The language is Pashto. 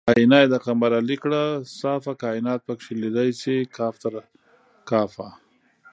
آیینه یې د قنبر علي کړه صافه کاینات پکې لیدی شي کاف تر کافه